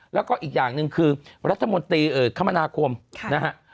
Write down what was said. แล้วก็อีกอย่างหนึ่งคือรัฐมนตรีคมนาคมนะฮะ